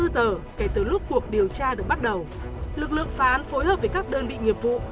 hai mươi giờ kể từ lúc cuộc điều tra được bắt đầu lực lượng phán phối hợp với các đơn vị nghiệp vụ